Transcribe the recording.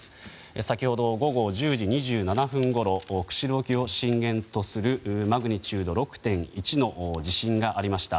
先ほど午後１０時２７分ごろ釧路沖を震源とするマグニチュード６．１の地震がありました。